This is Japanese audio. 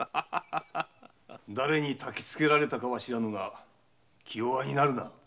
だれにたきつけられたかは知らぬが気弱になるな。